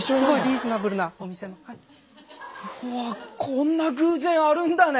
うわぁこんな偶然あるんだね。